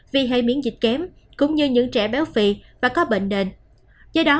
vì hay miễn dịch kém cũng như những trẻ béo phì và có bệnh nền do đó